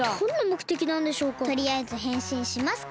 とりあえずへんしんしますか！